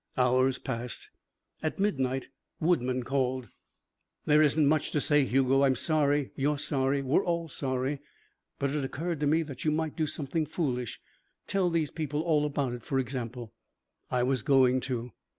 Hours passed. At midnight Woodman called. "There isn't much to say, Hugo. I'm sorry, you're sorry, we're all sorry. But it occurred to me that you might do something foolish tell these people all about it, for example." "I was going to."